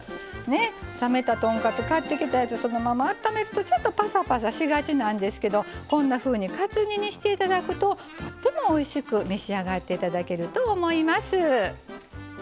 冷めた豚カツ買ってきたやつそのままあっためるとちょっとパサパサしがちなんですけどこんなふうにカツ煮にして頂くととってもおいしく召し上がって頂けると思います。